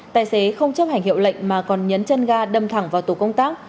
tài xế không chấp hành hiệu lệnh mà còn nhấn chân ga đâm thẳng vào tổ công tác